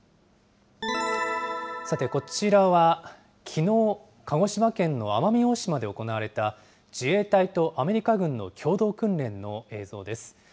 さて、こちらはきのう、鹿児島県の奄美大島で行われた、自衛隊とアメリカ軍の共同訓練の映像です。